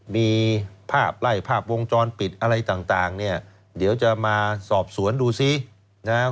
มีภาพไล่ภาพวงจรปิดอะไรต่างเนี่ยเดี๋ยวจะมาสอบสวนดูซินะครับ